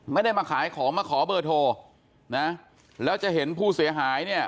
ไม่ได้มาขายของมาขอเบอร์โทรนะแล้วจะเห็นผู้เสียหายเนี่ย